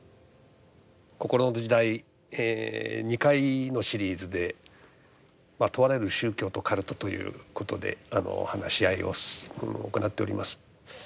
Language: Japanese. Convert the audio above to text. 「こころの時代」２回のシリーズで「問われる宗教とカルト」ということで話し合いを行っております。